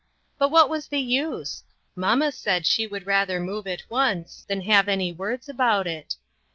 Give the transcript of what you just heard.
But what was the use ? Mamma said she would rather move at once, than have any words about it.